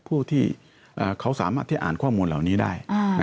ผู้ที่เขาสามารถที่อ่านข้อมูลเหล่านี้ได้